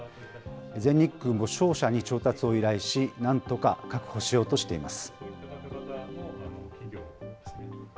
全日空も商社に調達を依頼し、なんとか確保しようとしています。